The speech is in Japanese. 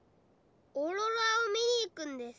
オーロラを見に行くんです。